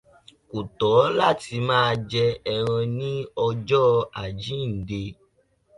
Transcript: Kò tọ́ láti máa jẹ ẹran ní ọjọ́ Àjíǹde.